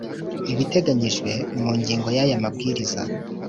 Ibiteganyijwe mu ngingo ya y aya mabwiriza